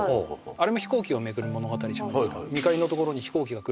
あれも飛行機を巡る物語じゃないですか